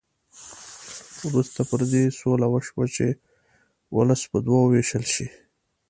وروسته پر دې سوله وشوه چې ولس په دوه وو وېشل شي.